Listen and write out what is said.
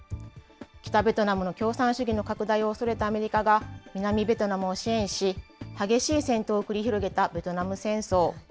北ベトナムの共産主義の拡大を恐れたアメリカが、南ベトナムを支援し、激しい戦闘を繰り広げたベトナム戦争。